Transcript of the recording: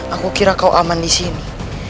aku kira kau aman di sini